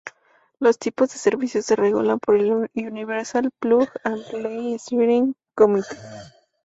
Los tipos de servicio se regulan por el Universal Plug and Play Steering Committee.